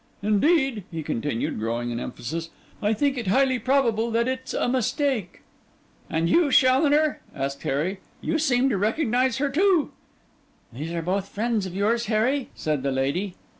Indeed,' he continued, growing in emphasis, 'I think it highly probable that it's a mistake.' 'And you, Challoner?' asked Harry, 'you seemed to recognise her too.' 'These are both friends of yours, Harry?' said the lady.